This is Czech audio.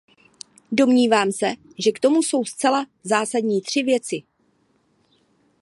Domnívám se, že k tomu jsou zcela zásadní tři věci.